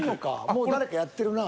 もう誰かやってるな。